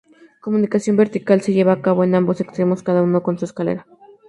Comunicación vertical se lleva a cabo en ambos extremos, cada uno con su escalera.